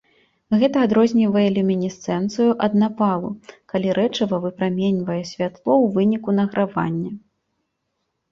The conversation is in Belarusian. Гэта адрознівае люмінесцэнцыю ад напалу, калі рэчыва выпраменьвае святло ў выніку награвання.